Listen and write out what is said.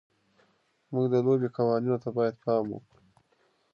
موږ د لوبې قوانینو ته باید پام وکړو.